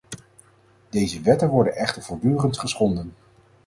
Deze wetten worden echter voortdurend geschonden.